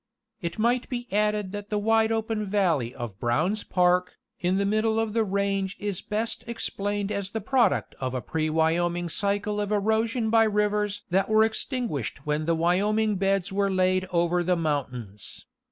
It might be added that the wide open valley of Brown's park, in the middle of the range is best explained as the product of a pre Wyoming cycle of erosion by rivers that were extinguished when the Wyoming beds were laid over the mountains.